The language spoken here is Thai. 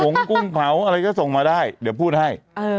งกุ้งเผาอะไรก็ส่งมาได้เดี๋ยวพูดให้